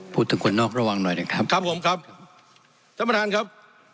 พูดถึงคนนอกระวังหน่อยนะครับครับผมครับท่านประธานครับ